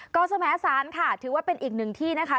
อสมสารค่ะถือว่าเป็นอีกหนึ่งที่นะคะ